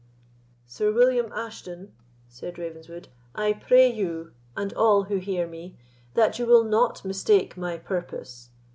"Sir William Ashton," said Ravenswood, "I pray you, and all who hear me, that you will not mistake my purpose.